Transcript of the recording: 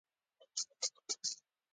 د ستړیا احساس کوم.